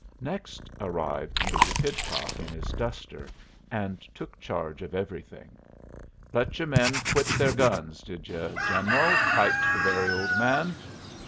Next arrived Major Pidcock in his duster, and took charge of everything. "Let yer men quit the'r guns, did ye, general?" piped the very old man.